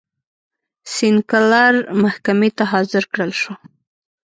سینکلر محکمې ته حاضر کړل شو.